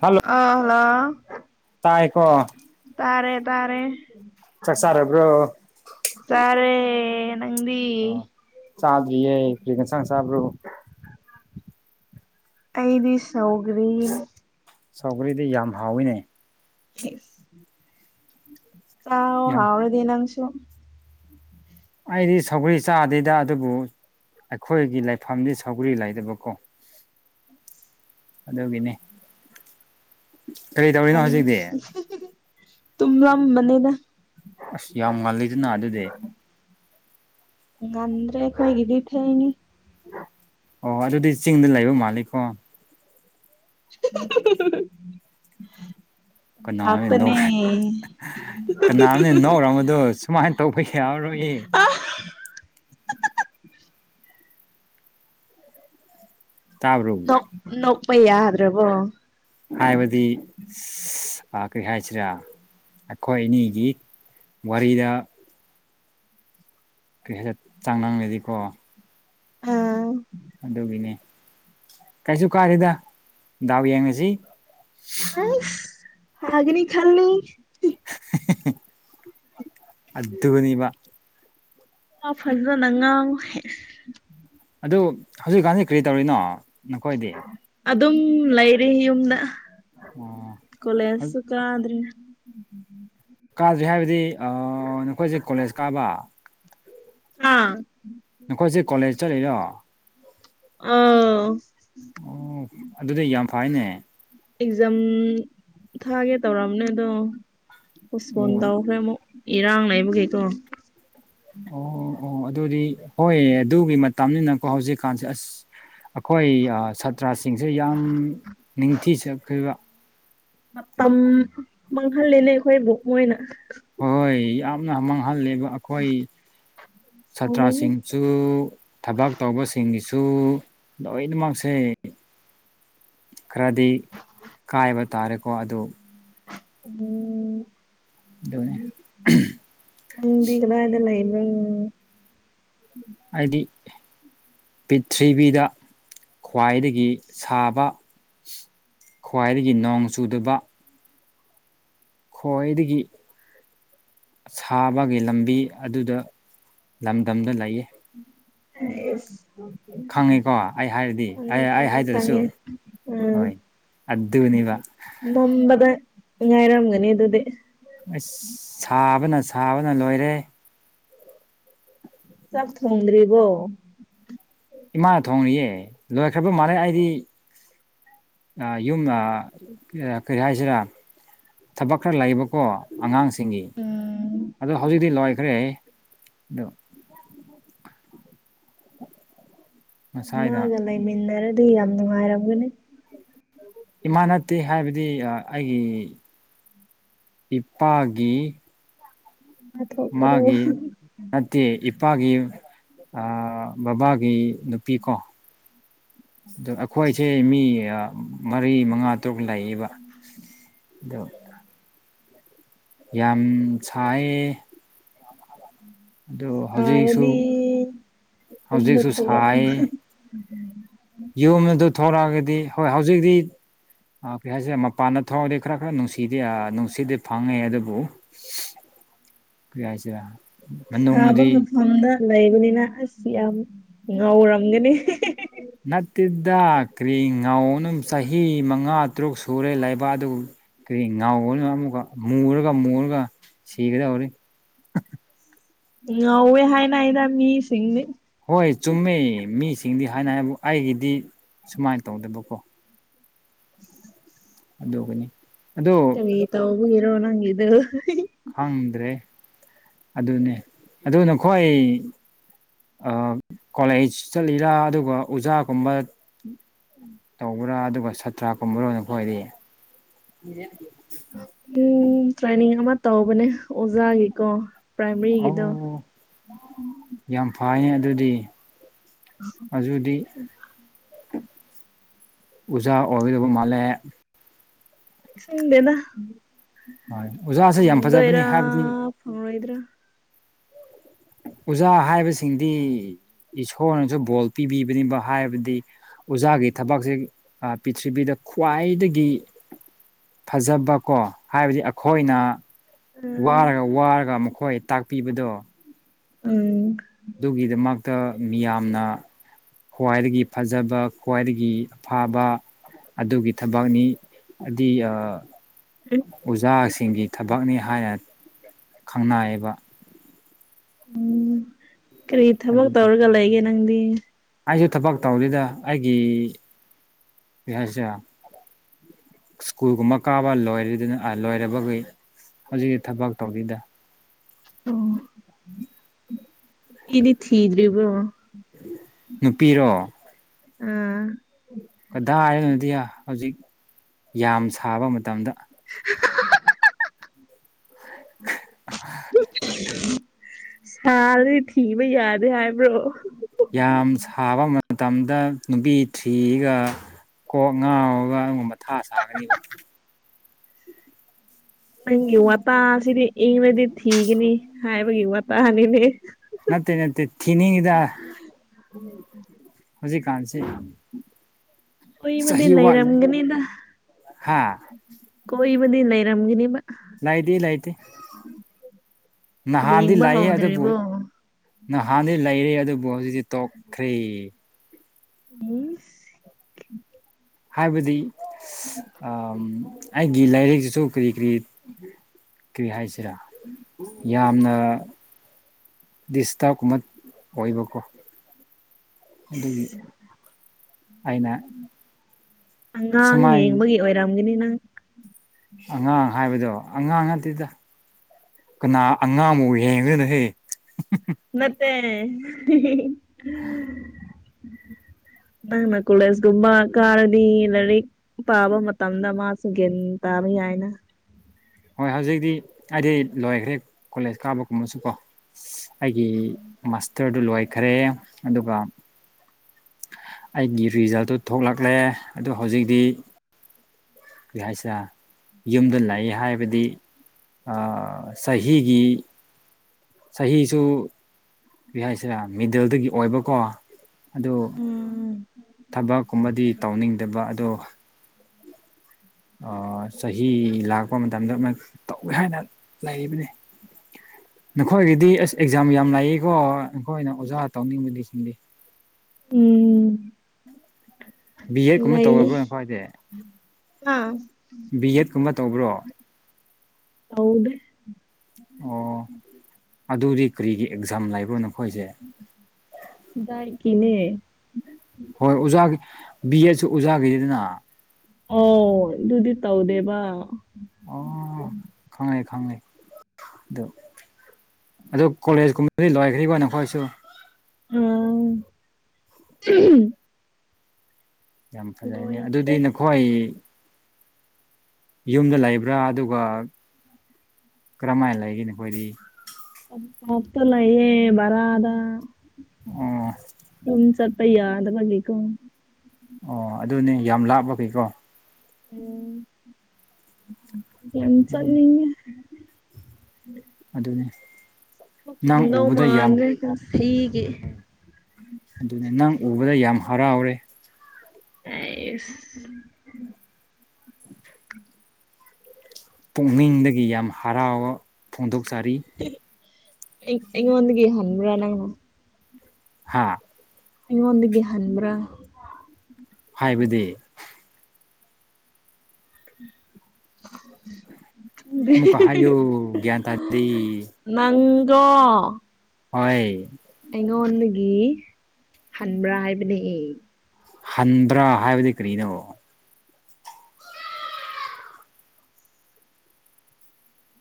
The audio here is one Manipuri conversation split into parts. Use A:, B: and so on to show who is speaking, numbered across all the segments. A: ꯍꯜꯂꯣ
B: ꯑ [unintelligible]
A: ꯇꯥꯏꯀꯣ
B: ꯇꯥꯔꯦ ꯇꯥꯔꯦ
A: ꯆꯥꯛ ꯆꯥꯔꯕ꯭ꯔꯣ
B: ꯆꯥꯔꯦ ꯅꯪꯗꯤ
A: ꯆꯥꯗ꯭ꯔꯤꯌꯦ ꯀꯔꯤ ꯌꯦꯟꯁꯥꯡ ꯆꯥꯕ꯭ꯔꯣ
B: ꯑꯩꯗꯤ ꯁꯧꯒ꯭ꯔꯤ
A: ꯁꯧꯒꯔꯤꯗꯤ ꯌꯥꯝ ꯍꯥꯎꯏꯅꯦ
B: ꯆꯥꯎ
A: ꯌꯥꯝ
B: ꯍꯥꯎꯔꯗꯤ ꯅꯪꯁꯨ
A: ꯑꯩꯗꯤ ꯁꯧꯒ꯭ꯔꯤ ꯆꯥꯗꯦꯗ ꯑꯗꯨꯕꯨ ꯑꯩꯈꯣꯏꯒꯤ ꯂꯩꯐꯝꯗꯤ ꯁꯧꯒ꯭ꯔꯤ ꯂꯩꯗꯕꯀꯣ ꯑꯗꯨꯒꯤꯅꯦ ꯀꯔꯤ ꯇꯧꯔꯤꯅꯣ ꯍꯧꯖꯤꯛꯗꯤ
B: ꯇꯨꯝꯂꯝꯕꯅꯦꯗ
A: ꯑꯁ ꯌꯥꯝ ꯉꯜꯂꯤꯗꯅ ꯑꯗꯨꯗꯤ
B: ꯉꯟꯗꯔꯦ ꯑꯩꯈꯣꯏꯒꯤꯗꯤ ꯊꯦꯡꯉꯦ
A: ꯑꯣ ꯑꯗꯨꯗꯤ ꯆꯤꯡꯗ ꯂꯩꯕ ꯃꯥꯜꯂꯤꯀꯣ
B: [unintelligible]
A: ꯀꯅꯥꯅꯦ
B: ꯉꯥꯛꯇꯅꯦ
A: ꯅꯣꯛꯔꯦ ꯀꯅꯥꯅꯦ ꯅꯣꯛꯔꯝꯕꯗꯨ ꯁꯨꯃꯥꯏꯅ ꯇꯧꯕ ꯌꯥꯔꯣꯏꯌꯦ ꯇꯥꯕꯔꯣ
B: ꯅꯣꯛ ꯅꯣꯛꯄ ꯌꯥꯗ꯭ꯔꯕꯣ
A: ꯍꯥꯏꯕꯗꯤ [unintelligible] ꯑ ꯀꯔꯤ ꯍꯥꯏꯁꯤꯔꯥ ꯑꯩꯈꯣꯏ ꯑꯅꯤꯒꯤ ꯋꯥꯔꯤꯔꯥ ꯀꯩ ꯍꯥꯏ ꯆꯥꯡ [unintelligible] ꯀꯣ
B: ꯑꯥ
A: ꯑꯗꯨꯒꯤꯅꯦ ꯀꯩꯁꯨ ꯀꯥꯔꯦꯗ ꯗꯥꯎ ꯌꯦꯡꯉꯁꯤ
B: ꯍꯩꯁ ꯍꯥꯒꯅꯤ ꯈꯜꯂꯤ
A: ꯑꯗꯨꯅꯤꯕ
B: ꯥꯋꯥ ꯐꯖꯅ ꯉꯥꯡꯍꯦ
A: ꯑꯗꯨ ꯍꯧꯖꯤꯛꯀꯥꯟꯖꯤ ꯀꯔꯤ ꯇꯧꯔꯤꯅꯣ ꯅꯈꯣꯏꯗꯤ
B: ꯑꯗꯨꯝ ꯂꯩꯔꯤ ꯌꯨꯝꯗ
A: ꯑꯣ
B: ꯀꯣꯂꯦꯖꯁꯨ ꯀꯥꯗ꯭ꯔꯤ
A: ꯀꯥꯗ꯭ꯔꯤ ꯍꯥꯏꯕꯗꯤ ꯅꯈꯣꯏꯁꯦ ꯀꯣꯂꯦꯖ ꯀꯥꯕ
B: ꯑꯥ
A: ꯅꯈꯣꯏꯁꯦ ꯀꯣꯂꯦꯖ ꯆꯠꯂꯤꯔꯣ
B: ꯑꯥꯎ
A: ꯑꯗꯨꯗ ꯌꯥꯝ ꯐꯥꯢꯅꯦ
B: ꯑꯦꯛꯖꯥꯝ ꯊꯥꯒꯦ ꯇꯧꯔꯝꯅꯦ ꯑꯗꯣ ꯄꯣꯁꯄꯣꯟ
A: ꯑꯣ
B: ꯇꯧꯈ꯭ꯔꯦ ꯑꯃꯨꯛ ꯏꯔꯥꯡ ꯂꯩꯕꯒꯤ ꯀꯣ
A: ꯑꯣ ꯑꯣ ꯑꯗꯨꯗꯤ ꯍꯣꯏ ꯑꯗꯨꯒꯤ ꯃꯇꯝꯅꯤꯅꯀꯣ ꯍꯧꯖꯤꯛꯀꯥꯟꯁꯦ ꯑꯁ ꯑꯈꯣꯏ ꯁꯥꯇ꯭ꯔꯁꯤꯡꯁꯦ ꯌꯥꯝ ꯅꯤꯡꯊꯤꯖꯈꯤꯕ
B: ꯃꯇꯝ ꯃꯥꯡꯍꯜꯂꯦꯅꯦ ꯑꯩꯈꯣꯏꯕꯨ ꯃꯣꯏꯅ
A: ꯍꯣꯏ ꯌꯥꯝꯅ ꯃꯥꯡꯍꯜꯂꯦꯕ ꯑꯩꯈꯣꯏ
B: ꯁꯥꯎꯅꯤꯡꯉꯤ
A: ꯁꯥꯇ꯭ꯔꯁꯤꯡ ꯁꯨ ꯊꯕꯛ ꯇꯧꯕꯁꯤꯡꯒꯤꯁꯨ ꯂꯣꯏꯅꯃꯛꯁꯦ ꯈꯔꯗꯤ ꯀꯥꯏꯕ ꯇꯥꯔꯦꯀꯣ ꯑꯗꯨ
B: ꯎꯝ
A: ꯑꯗꯨꯅꯤ
B: ꯅꯪꯗꯤ ꯀꯗꯥꯢꯗ ꯂꯩꯕ꯭ꯔꯣ
A: ꯑꯩꯗꯤ ꯄꯤꯊ꯭ꯔꯤꯕꯤꯗ ꯈ꯭ꯋꯥꯏꯗꯒꯤ ꯁꯥꯕ ꯈ꯭ꯋꯥꯏꯗꯒꯤ ꯅꯣꯡ ꯆꯨꯗꯕ ꯈ꯭ꯋꯥꯏꯗꯒꯤ ꯁꯥꯕꯒꯤ ꯂꯝꯕꯤ ꯑꯗꯨꯗ ꯂꯝꯗꯝꯗ ꯂꯩꯌꯦ
B: ꯑꯦꯁ
A: ꯈꯪꯉꯤꯀꯣ ꯑꯩ ꯍꯥꯏꯔꯗꯤ ꯑꯩ ꯑꯩ
B: ꯈꯪꯉꯦ
A: ꯍꯥꯏꯗ꯭ꯔꯁꯨ
B: ꯈꯪꯉꯦ ꯎꯝ
A: ꯍꯣꯏ ꯑꯗꯨꯅꯦꯕ
B: ꯃꯝꯕꯗ ꯉꯥꯢꯔꯝꯒꯅꯤ ꯑꯗꯨꯗꯤ
A: ꯑꯁ ꯁꯥꯕꯅ ꯁꯥꯕꯅ ꯂꯣꯏꯔꯦ
B: ꯆꯥꯛ ꯊꯣꯡꯗ꯭ꯔꯤꯕꯣ
A: ꯏꯃꯥꯅ ꯊꯣꯡꯉꯤꯌꯦ ꯂꯣꯏꯈ꯭ꯔꯕ ꯃꯥꯜꯂꯦ ꯑꯩꯗꯤ ꯑ ꯌꯨꯝ ꯑ ꯀꯩ ꯍꯥꯏꯁꯤꯔꯥ ꯊꯕꯛ ꯈꯔ ꯂꯩꯌꯦꯕꯀꯣ ꯑꯉꯥꯡꯁ ꯁꯤꯡꯒꯤ
B: ꯎꯝ
A: ꯑꯗꯣ ꯍꯧꯖꯤꯛꯇꯤ ꯂꯣꯏꯈ꯭ꯔꯦ ꯑꯗꯨ ꯉꯁꯥꯏꯅ
B: ꯃꯥꯒ ꯂꯩꯃꯤꯟꯅꯔꯗꯤ ꯌꯥꯝ ꯅꯨꯡꯉꯥꯏꯔꯝꯒꯅꯤ
A: ꯏꯃꯥ ꯅꯠꯇꯦ ꯍꯥꯏꯕꯗꯤ ꯑꯩꯒꯤ ꯏꯄꯥꯒꯤ
B: ꯃꯥ ꯊꯣꯛꯄꯔꯣ
A: ꯃꯥꯒꯤ ꯅꯠꯇꯦ ꯏꯄꯥꯒꯤ ꯑꯥ ꯕꯕꯥꯒꯤ ꯅꯨꯄꯤꯀꯣ ꯗ ꯑꯩꯈꯣꯏꯁꯦ ꯃꯤ ꯃꯔꯤ ꯃꯉꯥ ꯇꯔꯨꯛ ꯂꯩꯌꯦꯕ ꯑꯗꯣ ꯌꯥꯝ ꯁꯥꯢꯑꯦ ꯑꯗꯨ ꯍꯧꯖꯤꯛꯁꯨ
B: ꯁꯥꯔꯗꯤ ꯌꯨꯝꯗ
A: ꯍꯧꯖꯤꯛꯁꯨ
B: ꯊꯣꯛꯂꯛꯑꯣ
A: ꯁꯥꯏꯑꯦ꯫ ꯌꯨꯝ ꯑꯗꯨ ꯊꯣꯔꯛꯑꯒꯗꯤ ꯍꯣꯏ ꯍꯧꯖꯤꯛꯇꯤ ꯑꯥ ꯀꯔꯤ ꯍꯥꯏꯁꯤꯔ ꯃꯄꯥꯟꯗ ꯊꯣꯛꯑꯗꯤ ꯈꯔ ꯈꯔ ꯅꯨꯡꯁꯤꯗꯤ ꯑ ꯅꯨꯡꯁꯤꯗꯤ ꯐꯪꯉꯦ ꯑꯗꯨꯕꯨ ꯀ꯭ꯔꯤ ꯍꯥꯏꯁꯤꯔ꯫
B: ꯁꯥꯕ ꯃꯐꯝꯗ ꯂꯩꯕꯅꯤꯅ ꯑꯁ ꯌꯥꯝ ꯉꯧꯔꯝꯒꯅꯤ ꯍꯤꯍꯤ꯫
A: ꯅꯠꯇꯦꯗ ꯀ꯭ꯔꯤ ꯉꯥꯎꯅꯝ ꯆꯍꯤ ꯃꯉꯥ ꯇꯔꯨꯛ ꯁꯨꯔꯦ ꯂꯩꯕꯥ ꯑꯗꯨ ꯀ꯭ꯔꯤ ꯉꯥꯎꯕꯅ ꯑꯃꯨꯛꯀ ꯃꯨꯔꯒ-ꯃꯨꯔꯒ ꯁꯤꯒꯗꯧꯔꯤ꯫
B: ꯉꯧꯋꯦ ꯍꯥꯏꯅꯩꯗ ꯃꯤꯁꯤꯡꯗꯤ꯫
A: ꯍꯣꯏ ꯆꯨꯝꯃꯦ ꯃꯤꯁꯤꯡꯗꯤ ꯍꯥꯏꯅꯩ ꯍꯥꯏꯕꯨ ꯑꯩꯒꯤꯗꯤ ꯁꯨꯃꯥꯏꯅ ꯇꯧꯗꯦꯕꯀꯣ꯫
B: [inaudible]
A: ꯑꯗꯨꯒꯤꯅꯤ꯫
B: ꯀꯔꯤ ꯇꯧꯕꯒꯤꯔꯣ ꯅꯪꯒꯤꯗꯨ ꯑꯍꯤꯍꯤ
A: ꯈꯪꯗ꯭ꯔꯦ ꯑꯗꯨꯅꯦ ꯑꯗꯨ ꯅꯈꯣꯏ ꯑꯥ ꯀꯣꯂꯦꯁ ꯆꯠꯂꯤꯔꯥ ꯑꯗꯨꯒ ꯑꯣꯖꯥꯒꯨꯝꯕ ꯇꯧꯕ꯭ꯔꯥ ꯑꯗꯨꯒ ꯁꯥꯠꯇ꯭ꯔꯥ ꯀꯨꯝꯕꯔ ꯅꯈꯣꯏꯗꯤ꯫
B: ꯎꯝ ꯇ꯭ꯔꯦꯅꯤꯡ ꯑꯃ ꯇꯧꯕꯅꯦ ꯑꯣꯖꯥꯒꯤꯀꯣ꯫
A: ꯑꯣ
B: ꯄ꯭ꯔꯥꯏꯃꯔꯤꯒꯤꯗꯣ
A: ꯌꯥꯝ ꯐꯩꯅꯦ ꯑꯗꯨꯗꯤ꯫ ꯑꯗꯨꯗꯤ ꯎꯖꯥ ꯑꯣꯏꯒꯗꯕ ꯃꯥꯜꯂꯦ꯫
B: ꯈꯪꯗꯦꯗ
A: ꯍꯣꯏ ꯑꯣꯖꯥꯁꯦ ꯌꯥꯝ ꯐꯖꯕꯅꯤ
B: ꯐꯪꯗꯣꯏꯔꯥ
A: ꯍꯥꯏꯕꯗꯤ
B: ꯐꯪꯂꯔꯣꯏꯗ꯭ꯔꯥ?
A: ꯑꯣꯖꯥ ꯍꯥꯏꯕꯁꯤꯡꯗꯤ ꯏꯁꯣꯔꯅꯁꯨ ꯕꯣꯜ ꯄꯤꯕꯤꯕꯅꯦꯕ ꯍꯥꯏꯕꯗꯤ ꯑꯣꯖꯥꯒꯤ ꯊꯕꯛꯁꯦ ꯄꯔꯤꯊꯤꯕꯤꯗ ꯈ꯭ꯋꯥꯏꯗꯒꯤ ꯐꯖꯕꯀꯣ ꯍꯥꯏꯕꯗꯤ ꯑꯈꯣꯏꯅ
B: ꯎꯝ
A: ꯋꯥꯔꯒ ꯋꯥꯔꯒ ꯃꯈꯣꯏ ꯇꯥꯛꯄꯤꯕꯗꯣ꯫
B: ꯎꯝ
A: ꯑꯗꯨꯒꯤꯗꯃꯛꯇ ꯃꯤꯌꯥꯝꯅ ꯈ꯭ꯋꯥꯏꯗꯒꯤ ꯐꯖꯕ ꯈ꯭ꯋꯥꯏꯗꯒꯤ ꯑꯐꯕ ꯑꯗꯨꯒꯤ ꯊꯕꯛꯅꯤ ꯑꯗꯨꯏ ꯑꯥ ꯑꯣꯖꯥꯁꯤꯡꯒꯤ ꯊꯕꯛꯅꯤ ꯍꯥꯏꯅ ꯈꯪꯅꯩꯌꯦꯕ꯫
B: ꯀ꯭ꯔꯤ ꯊꯕꯛ
A: ꯑꯗꯨꯅꯦ
B: ꯇꯧꯔꯒ ꯂꯩꯒꯦ ꯅꯪꯗꯤ?
A: ꯑꯩꯁꯨ ꯊꯕꯛ ꯇꯧꯗꯦꯗ ꯑꯩꯒꯤ ꯀ꯭ꯔꯤ ꯍꯥꯏꯁꯔ ꯁ꯭ꯀꯨꯜꯒꯨꯝꯕ ꯀꯥꯕ ꯂꯣꯏꯔꯦꯗꯅ ꯑꯥ ꯂꯣꯏꯔꯦꯕꯒꯤ꯫ ꯍꯧꯖꯤꯛ ꯊꯕꯛ ꯇꯧꯗ꯭ꯔꯤꯗ꯫
B: ꯑꯣ ꯊꯤꯗꯤ ꯊꯤꯗ꯭ꯔꯤꯕ꯭ꯔꯣ?
A: ꯅꯨꯄꯤꯔꯣ?
B: ꯑꯥ
A: ꯀꯗꯥꯏ ꯗꯩꯅꯣꯗꯤ ꯍꯧꯖꯤꯛ ꯌꯥꯝ ꯁꯥꯕ ꯃꯇꯝꯗ
B: [unintelligible]
A: [unintelligible]
B: ꯁꯥꯔꯗꯤ ꯊꯤꯕ ꯌꯥꯗꯦ ꯍꯥꯏꯕ꯭ꯔꯣ꯫
A: ꯌꯥꯝ ꯁꯥꯕ ꯃꯇꯝꯗ ꯅꯨꯄꯤ ꯊꯤꯔꯒ ꯀꯣꯛ ꯉꯥꯎꯔꯒ ꯑꯩꯉꯣꯟ ꯃꯊꯥ ꯁꯥꯒꯅꯤꯕ꯫
B: ꯅꯪꯒꯤ ꯋꯥꯇꯥꯁꯤꯗꯤ ꯏꯪꯔꯥꯗꯤ ꯊꯤꯒꯅꯤ ꯍꯥꯏꯕꯒꯤ ꯋꯥꯇꯥꯅꯤꯅꯦ꯫
A: ꯅꯠꯇꯦ-ꯅꯠꯇꯦ ꯊꯤꯅꯤꯡꯉꯤꯗ꯫ ꯍꯧꯖꯤꯛ ꯀꯥꯟꯁꯤ꯫
B: ꯀꯣꯏꯕꯗꯤ ꯂꯩꯔꯝꯒꯅꯤꯗ
A: ꯍꯥ
B: ꯀꯣꯢꯕꯗꯤ ꯂꯩꯔꯝꯒꯅꯤꯕ꯫
A: ꯂꯩꯗꯤ ꯂꯩꯇꯦ ꯅꯍꯥꯟꯗꯤ
B: ꯌꯦꯡꯕ
A: ꯂꯩꯌꯦ ꯑꯗꯨꯕꯨ꯫
B: ꯍꯧꯗ꯭ꯔꯤꯕꯣ
A: ꯅꯍꯥꯟꯗꯤ ꯂꯩꯔꯦ ꯑꯗꯨꯕꯨ ꯍꯧꯖꯤꯛꯇꯤ ꯇꯣꯛꯈ꯭ꯔꯦ
B: ꯏꯁ
A: ꯍꯥꯏꯕꯗꯤ ꯑꯥꯜ ꯑꯩꯒꯤ ꯂꯥꯏꯔꯤꯛꯁꯤꯁꯨ ꯀꯔꯤ ꯀꯔꯤ ꯀꯔꯤ ꯍꯥꯏꯁꯦ ꯁꯤꯔ ꯌꯥꯝꯅ ꯗꯤꯁꯇꯥꯥꯎ ꯀꯃ ꯑꯣꯏꯕꯀ ꯑꯗꯨꯒꯤ ꯑꯩꯅ
B: ꯑꯉꯥꯡ
A: ꯁꯨꯃꯥꯏꯅ
B: ꯌꯦꯡꯕꯒꯤ ꯑꯣꯏꯔꯝꯒꯅꯤ ꯅꯪ
A: ꯑꯉꯥꯡ ꯍꯥꯏꯕꯗꯣ ꯑꯉꯥꯡ ꯅꯠꯇꯦꯗ ꯀꯅꯥ ꯑꯉꯥꯡꯃꯥꯎ ꯍꯌꯦꯒꯣꯏꯅꯣ ꯍꯦ
B: ꯅꯠꯇꯦ
A: [inaudible]
B: ꯅꯪꯅ ꯀꯨꯂꯦꯁꯒꯨꯝꯕ ꯀꯥꯔꯗꯤ ꯏ ꯂꯔꯤꯛ ꯄꯥꯕ ꯃꯇꯝꯗ ꯃꯥꯁꯨ ꯒꯟ ꯇꯥꯕ ꯌꯥꯏꯅ
A: ꯍꯣꯏ ꯍꯧꯖꯤꯛꯇꯤ ꯑꯩꯗꯤ ꯂꯣꯏꯈ꯭ꯔꯦ ꯀꯣꯂꯦꯖ ꯀꯥꯕꯒꯨꯝꯕꯁꯨ ꯀꯣ ꯑꯩꯒꯤ ꯃꯥꯁꯇꯔꯗꯨ ꯂꯣꯏꯈꯔꯦꯌꯦ ꯑꯗꯨꯒ ꯑꯩꯒꯤ ꯔꯤꯖꯜꯇꯨ ꯊꯣꯛꯂꯛꯂꯦ ꯑꯗꯨ ꯍꯧꯖꯤꯛꯗꯤ ꯑꯩ ꯍꯥꯏꯁꯦ ꯌꯨꯝꯗ ꯂꯥꯏꯌꯦ ꯍꯥꯏꯕꯗꯤ ꯑꯥ ꯆꯍꯤꯒꯤ ꯆꯍꯤꯁꯨ ꯀꯔꯤ ꯍꯥꯏꯁꯤꯔꯥ ꯃꯤꯗꯜꯗꯒꯤ ꯑꯣꯏꯕꯀꯣ ꯑꯗꯨ
B: ꯎꯝ
A: ꯊꯕꯛꯀꯨꯝꯕꯗꯤ ꯇꯧꯅꯤꯡꯗꯕ ꯑꯗꯣ ꯑꯥ ꯆꯍꯤ ꯂꯥꯛꯄ ꯃꯇꯝꯗ ꯇꯧꯒꯦ ꯍꯥꯏꯅ ꯂꯩꯕꯅꯦ ꯅꯈꯣꯏꯒꯤꯗꯤ ꯑꯁ ꯑꯦꯛꯖꯥꯝ ꯌꯥꯝ ꯂꯥꯛꯌꯦꯀꯣ ꯅꯈꯣꯏꯅ ꯑꯣꯖꯥ ꯇꯧꯅꯤꯡꯕꯗꯤꯁꯤꯡꯗꯤ
B: ꯎꯝ
A: ꯕꯤ ꯑꯦꯗ ꯀꯨꯝꯕ
B: ꯂꯩꯌꯦ
A: ꯇꯧꯔꯕ꯭ꯔꯥ ꯅ ꯈꯣꯏꯗꯤ
B: ꯍꯥ
A: ꯕꯤ ꯑꯦꯠ ꯀꯨꯝꯕ ꯇꯧꯕ꯭ꯔꯣ
B: ꯇꯧꯗꯦ
A: ꯑꯣ ꯑꯗꯨꯗꯤ ꯀꯔꯤꯒꯤ ꯑꯦꯛꯖꯥꯝ ꯂꯩꯕꯣ ꯅꯈꯣꯏꯁꯦ
B: ꯗꯦꯏꯌ ꯒꯤꯅꯦ
A: ꯍꯣꯏ ꯑꯣꯖꯥꯒꯤ ꯕꯤ ꯑꯦꯠꯁꯨ ꯑꯣꯖꯥꯒꯤꯗꯤꯗꯅ
B: ꯑꯣ ꯑꯗꯨꯗꯤ ꯇꯧꯗꯦꯕ
A: ꯑꯣ ꯈꯪꯉꯦ ꯈꯪꯉꯦ ꯑꯗꯨ ꯑꯗꯨ ꯀꯣꯂꯦꯖꯀꯨꯝꯕꯗꯤ ꯂꯣꯏꯈ꯭ꯔꯤꯕꯣ ꯅꯈꯣꯏꯁꯨ
B: ꯎꯝ
A: ꯌꯥꯝ ꯐꯖꯩꯅꯦ ꯑꯗꯨꯗꯤ
B: ꯂꯣꯏꯈ꯭ꯔꯦ
A: ꯅꯈꯣꯏ ꯌꯨꯝꯗ ꯂꯩꯕ꯭ꯔꯥ ꯑꯗꯨꯒ ꯀꯔꯝꯥꯏꯅ ꯂꯩꯒꯅꯤ ꯈꯣꯏꯗꯤ
B: [unintelligible]
A: ꯑꯣ
B: [unintelligible] ꯌꯥꯗꯕꯂꯤꯀꯣ
A: ꯑꯣ ꯑꯗꯨꯅꯦ ꯌꯥꯝ ꯂꯥꯞꯄꯒꯩꯀꯣ
B: [unintelligible] ꯆꯠꯅꯤꯡ ꯉꯦ
A: ꯑꯗꯨꯅꯤ ꯅꯪ
B: ꯐꯪꯗꯧ
A: ꯎꯕꯗ ꯌꯥꯝ
B: ꯃꯥꯟꯗ꯭ꯔꯦ ꯉꯁꯤꯒꯤ
A: ꯑꯗꯨꯅꯤ ꯅꯪ ꯎꯕꯗ ꯌꯥꯝ ꯍꯔꯥꯎꯔꯦ
B: [unintelligible]
A: ꯄꯨꯛꯅꯤꯡꯗꯒꯤ ꯌꯥꯝ ꯍꯔꯥꯎꯕ ꯐꯣꯡꯗꯣꯛꯆꯔꯤ
B: ꯏꯉꯣꯟꯗꯒꯤ ꯍꯟꯕꯔ꯭ ꯅꯪ
A: ꯍꯥꯥ
B: ꯑꯩꯉꯣꯟꯗꯒꯤ ꯍꯟꯕ꯭ꯔꯥ
A: ꯍꯥꯏꯕꯗꯤ
B: [inaudible]
A: ꯑꯃꯨꯛꯀ ꯍꯥꯏꯌꯨ ꯒ꯭ꯌꯥꯟ ꯇꯥꯗꯤ
B: ꯅꯪꯗꯣ
A: ꯍꯣꯏ
B: ꯑꯩꯉꯣꯟꯗꯒꯤ ꯍꯟꯕ꯭ꯔꯥ ꯍꯥꯏꯕꯅꯦꯑꯦ
A: ꯍꯟꯕ꯭ꯔꯥ ꯍꯥꯏꯕꯗꯤ ꯀꯔꯤꯅꯣ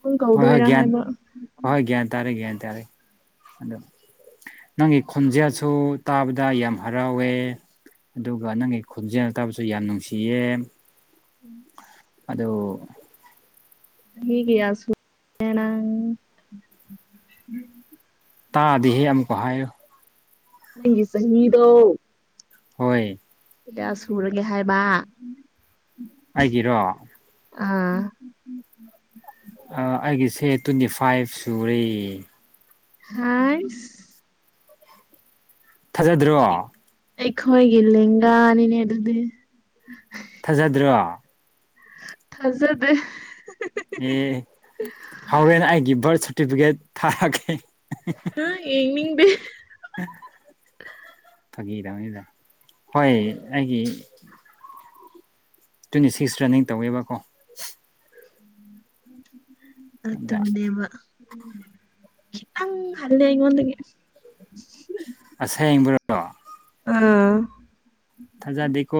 B: ꯄꯨꯡ
A: ꯍꯣꯏ ꯍꯣꯏ
B: ꯀꯧꯗꯣꯏꯔꯥ
A: ꯒ꯭ꯌꯥꯟ
B: ꯍꯥꯏꯕ
A: ꯍꯣꯍꯣꯏ ꯒ꯭ꯌꯥꯟ ꯇꯥꯔꯦ ꯒ꯭ꯌꯥꯟ ꯇꯥꯔꯦ ꯑꯗꯣ ꯅꯪꯒꯤ ꯈꯣꯟꯖꯦꯜꯁꯨ ꯇꯥꯕꯗ ꯌꯥꯝ ꯍꯔꯥꯎꯋꯦ ꯑꯗꯨꯒ ꯅꯪꯒꯤ ꯈꯣꯟꯖꯦꯜ ꯇꯥꯕꯁꯨ ꯌꯥꯝ ꯅꯨꯡꯁꯤꯌꯦ
B: ꯎꯝ
A: ꯑꯗꯨ
B: ꯃꯤꯒꯤ ꯌꯥꯁꯨ ꯑꯦ ꯅꯪ
A: ꯇꯥꯗꯦꯍꯦ ꯑꯃꯨꯛꯀ ꯍꯥꯏꯌꯨ
B: ꯅꯪꯒꯤ ꯆꯍꯤꯗꯣ
A: ꯍꯣꯏ
B: ꯀꯌꯥ ꯁꯨꯔꯒꯦ ꯍꯥꯏꯕꯥ
A: ꯑꯩꯒꯤꯔꯣ
B: ꯑꯥ
A: ꯑꯥ ꯑꯩꯒꯤꯁꯦ ꯇ꯭ꯋꯦꯟꯇꯤ ꯐꯥꯏꯞ ꯁꯨꯔꯦ
B: ꯍꯥꯏꯁ
A: ꯊꯖꯗ꯭ꯔꯣ
B: ꯑꯩꯈꯣꯏꯒꯤ ꯂꯦꯟꯒꯥꯅꯤꯅꯦ ꯗꯨꯗꯤ [unintelligible]
A: ꯊꯖꯗ꯭ꯔꯣ
B: ꯊꯖꯗꯦ
A: ꯑꯦ ꯍꯧꯔꯦꯟ ꯑꯩꯒꯤ ꯕꯥꯔ꯭ꯠ ꯁꯔꯇꯤꯐꯤꯀꯦꯠ ꯊꯥꯔꯛꯀꯦ
B: ꯑꯥ ꯌꯦꯡꯅꯤꯡꯗꯦ
A: ꯐꯒꯤ ꯇꯧꯅꯤꯗ ꯍꯣꯏ ꯑꯩꯒꯤ ꯇ꯭ꯋꯦꯟꯇꯤ ꯁꯤꯛꯁ ꯔꯟꯅꯤꯡ ꯇꯧꯋꯦꯕꯀꯣ ꯑꯗ
B: ꯑꯇꯨꯅꯦꯕꯥ ꯈꯤꯇꯪ ꯍꯜꯂꯦ ꯑꯩꯉꯣꯟꯗꯒꯤ
A: ꯑꯁꯦꯡꯕ꯭ꯔꯣ
B: ꯑꯥ
A: ꯊꯖꯗꯦꯀꯣ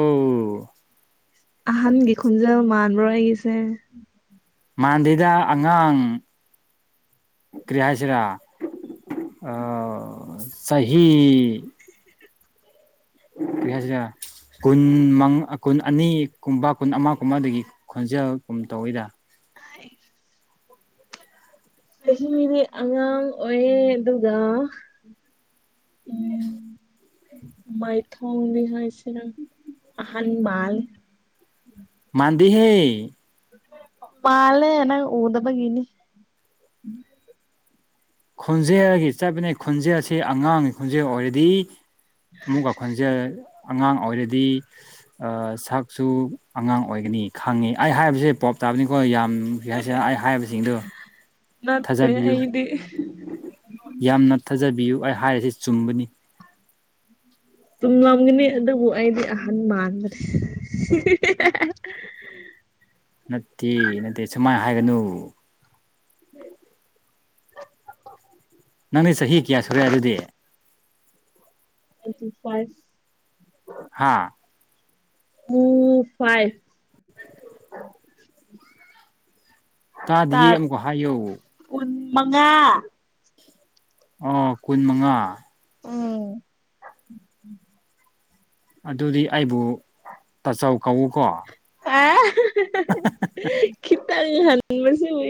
B: ꯑꯍꯟꯒꯤ ꯈꯣꯟꯖꯦꯜ ꯃꯥꯟꯕ꯭ꯔꯣ ꯑꯩꯒꯤꯁꯦ
A: ꯃꯥꯟ ꯗꯦꯗꯥ ꯑꯉꯥꯡ ꯀ꯭ꯔꯤ ꯍꯥꯏꯁꯤꯔꯥ ꯑꯥ ꯆꯍꯤ ꯀ꯭ꯔꯤ ꯍꯥꯏꯁꯤꯔꯥ ꯀꯨꯟ ꯃꯪ ꯑꯀꯨꯟ ꯑꯅꯤꯀꯨꯝꯕ ꯀꯨꯟ ꯑꯃ ꯀꯨꯝꯕꯗꯒꯤ ꯈꯣꯟꯖꯦꯜ ꯀꯨꯝ ꯇꯧꯏꯗ
B: [inaudible] ꯆꯍꯤꯗꯤ ꯑꯉꯥꯡ ꯑꯣꯏꯌꯦ ꯑꯗꯨꯒ ꯎꯡ ꯃꯩꯊꯣꯡꯅꯤ ꯍꯥꯏꯁꯦꯅ ꯑꯍꯟ ꯃꯥꯜ
A: ꯃꯥꯟꯗꯦꯍꯦ
B: ꯃꯥꯜꯂꯦ ꯅꯪ ꯎꯗꯕꯒꯅꯤ ꯎꯝ
A: ꯈꯣꯟꯖꯦꯜꯒꯤ ꯆꯠꯄꯅꯤ ꯈꯣꯟꯖꯦꯜ ꯑꯁꯤ ꯑꯉꯥꯡꯒꯤ ꯈꯣꯟꯖꯦꯜ ꯑꯣꯏꯔꯗꯤ ꯑꯃꯨꯛꯀ ꯈꯣꯟꯖꯦꯜ ꯑꯉꯥꯡ ꯑꯣꯏꯔꯗꯤ ꯁꯛꯁꯨ ꯑꯉꯥꯡ ꯑꯣꯏꯒꯅꯤ ꯈꯡꯉꯤ ꯑꯩ ꯍꯥꯏꯔꯤꯕꯁꯦ ꯄꯣꯞ ꯇꯥꯕꯅꯤꯀꯣ ꯌꯥꯝ ꯀꯔꯤ ꯍꯥꯏꯁꯤꯔ ꯑꯩ ꯍꯥꯏꯕꯁꯤꯡꯗꯣ
B: ꯅꯠꯇꯦ
A: ꯊꯥꯖꯕꯤꯌꯨ
B: ꯑꯩꯗꯤ
A: ꯌꯥꯝꯅ ꯊꯥꯖꯕꯤꯌꯨ ꯑꯩ ꯍꯥꯏꯔꯤꯁꯤ ꯆꯨꯝꯕꯅꯤ
B: ꯆꯨꯝꯂꯝꯒꯅꯤ ꯑꯗꯨꯕꯨ ꯑꯩꯗꯤ ꯑꯍꯟ ꯃꯥꯟꯕꯅꯦ
A: ꯅꯠꯇꯦ ꯅꯠꯇꯦ ꯁꯨꯃꯥꯏꯅ ꯍꯥꯏꯒꯅꯨ ꯅꯪꯗꯤ ꯆꯍꯤ ꯀꯌꯥ ꯁꯨꯔꯦ ꯑꯗꯨꯗꯤ
B: ꯇꯋꯦꯟꯇꯤ ꯐꯥꯏꯚ
A: ꯍꯥꯥ
B: ꯇꯋꯦꯟꯇꯤ ꯐꯥꯏꯚ [inaudible]
A: ꯇꯥꯗꯤꯌꯦ
B: ꯇꯥꯠ
A: ꯑꯃꯨꯛꯀ ꯍꯥꯏꯌꯨ
B: ꯀꯨꯟ ꯃꯉꯥ
A: ꯑꯣ ꯀꯨꯟ ꯃꯉꯥ
B: ꯎꯝ
A: ꯑꯗꯨꯗꯤ ꯑꯩꯕꯨ ꯇꯥꯆꯧ ꯀꯧꯀꯣ
B: ꯑꯦ
A: [unintelligible]
B: ꯈꯤꯇꯪ ꯍꯟꯕꯁꯤꯕꯨ